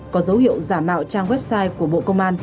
có dấu hiệu giả mạo trang website của bộ công an